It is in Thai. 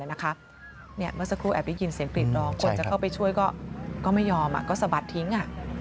เมื่อสักครู่แอบได้ยินเสียงกรีดร้องคนจะเข้าไปช่วยก็ไม่ยอมก็สะบัดทิ้ง